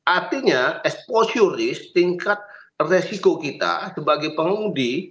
artinya exposure risk tingkat resiko kita sebagai pengundi